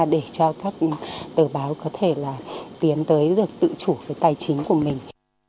để cho các tờ báo có thể là tiến tới được tự chủ về tài chính của mình